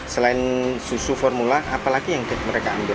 selain susu formula apa lagi yang mereka ambil